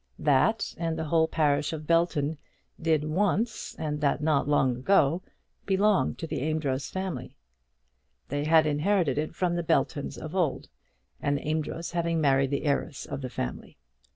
That and the whole parish of Belton did once, and that not long ago, belong to the Amedroz family. They had inherited it from the Beltons of old, an Amedroz having married the heiress of the family.